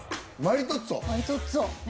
マリトッツォ。